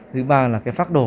thứ ba là cái phác đồ